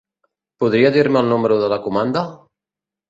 Podria dir-me el número de la comanda?